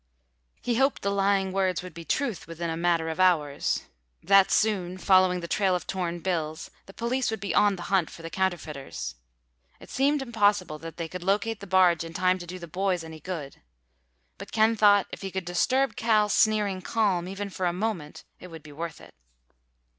He hoped the lying words would be truth within a matter of hours—that soon, following the trail of torn bills, the police would be on the hunt for the counterfeiters. It seemed impossible that they could locate the barge in time to do the boys any good. But, Ken thought, if he could disturb Cal's sneering calm—even for a moment—it would be worth it.